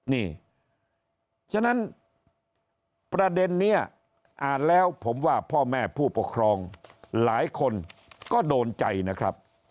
นี่ฉะนั้นประเด็นนี้อ่านแล้วผมว่าพ่อแม่ผู้ปกครองหลายคนก็โดนใจนะครับ